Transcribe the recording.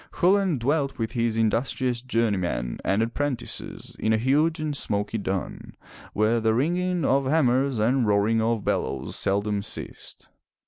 Chulain dwelt with his industrious journeymen and apprentices in a huge and smoky dun, where the ringing of ham 404 FROM THE TOWER WINDOW mers and roaring of bellows seldom ceased.